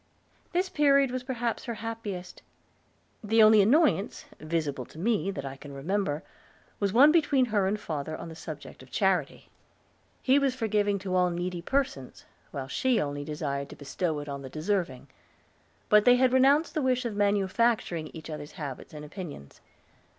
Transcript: This period was perhaps her happiest. The only annoyance, visible to me, that I can remember, was one between her and father on the subject of charity. He was for giving to all needy persons, while she only desired to bestow it on the deserving, but they had renounced the wish of manufacturing each other's habits and opinions.